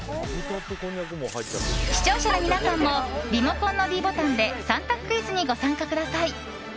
視聴者の皆さんもリモコンのｄボタンで３択クイズにご参加ください。